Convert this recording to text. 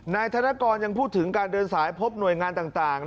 นายธนกรยังพูดถึงการเดินสายพบหน่วยงานต่าง